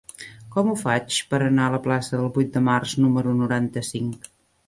Com ho faig per anar a la plaça del Vuit de Març número noranta-cinc?